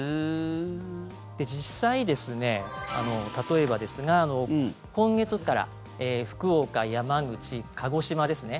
実際、例えばですが今月から福岡、山口、鹿児島ですね